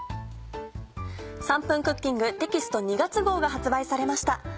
『３分クッキング』テキスト２月号が発売されました。